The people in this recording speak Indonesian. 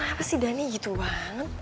kanu apasih dane gitu banget